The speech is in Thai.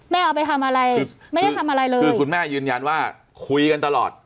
เอาไปทำอะไรไม่ได้ทำอะไรเลยคือคุณแม่ยืนยันว่าคุยกันตลอด